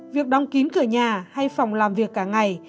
việc đóng kín cửa nhà hay phòng làm việc cả ngày